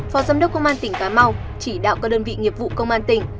phó giám đốc công an tỉnh cà mau chỉ đạo các đơn vị nghiệp vụ công an tỉnh